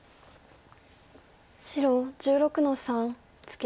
白１６の三ツケ。